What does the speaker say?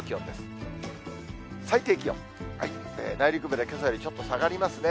内陸部でけさよりちょっと下がりますね。